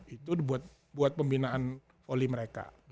itu buat pembinaan volley mereka